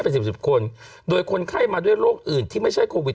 เป็นสิบสิบคนโดยคนไข้มาด้วยโรคอื่นที่ไม่ใช่โควิด